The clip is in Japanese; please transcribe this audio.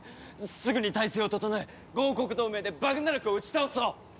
すぐに態勢を整え５王国同盟でバグナラクを打ち倒そう！